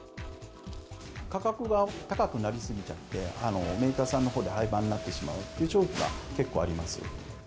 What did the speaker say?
価格が高くなりすぎちゃって、メーカーさんのほうで廃番になってしまっている商品が結構ありま